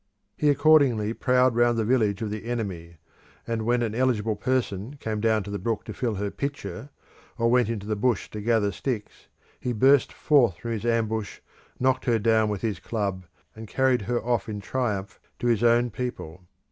He accordingly prowled round the village of the enemy, and when an eligible person came down to the brook to fill her pitcher, or went into the bush to gather sticks, he burst forth from his ambush, knocked her down with his club, and carried her off in triumph to his own people.